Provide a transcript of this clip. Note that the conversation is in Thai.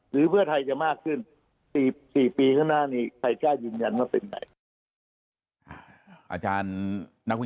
หรือเพื่อไทยจะมากขึ้น